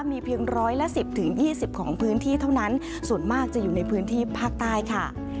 มีเพียงร้อยละ๑๐๒๐ของพื้นที่เท่านั้นส่วนมากจะอยู่ในพื้นที่ภาคใต้ค่ะ